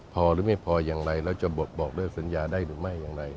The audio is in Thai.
พอหรือไม่พออย่างไรแล้วจะบอกเลิกสัญญาได้หรือไม่อย่างไร